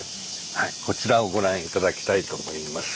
こちらをご覧頂きたいと思います。